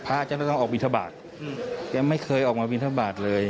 พระจะต้องออกวิธบาทไม่เคยออกมาวิธบาทเลย